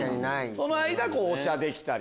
その間お茶できたり。